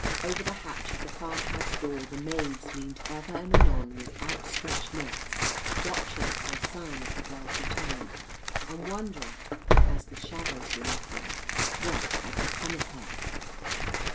Over the hatch of the farm house door the maids leant ever and anon with outstretched necks, watching for a sign of the girl's return, and wondering, as the shadows lengthened, what had become of her.